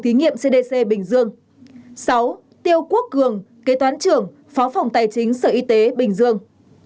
sáu tiêu quốc cường kế toán trưởng phó phòng tài chính sở y tế bình dương